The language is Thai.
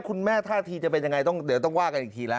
คุณแม่ท่าทีจะเป็นอย่างไรเดี๋ยวต้องว่ากันอีกทีแล้ว